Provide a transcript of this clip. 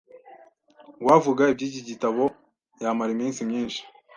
Uwavuga iby’iki gitabo yamara iminsi myinshi